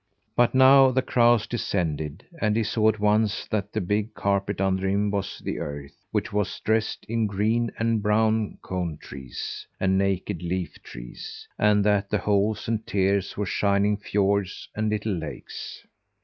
But now the crows descended, and he saw at once that the big carpet under him was the earth, which was dressed in green and brown cone trees and naked leaf trees, and that the holes and tears were shining fiords and little lakes.